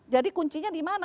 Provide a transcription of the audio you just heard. jadi kuncinya di mana